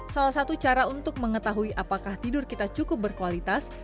salah satu cara untuk mengetahui apakah tidur kita cukup berkualitas